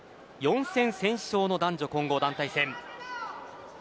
４戦先勝の男女混合団体戦です。